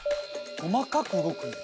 細かく動くんだ。